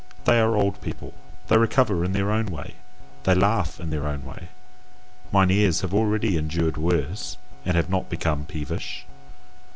They are old people: they recover in their own way, they laugh in their own way; mine ears have already endured worse and have not become peevish.